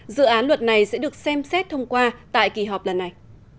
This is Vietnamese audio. dự án luật này sẽ được xem xét thông qua tại kỳ họp lần này